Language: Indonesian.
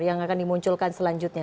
yang akan dimunculkan selanjutnya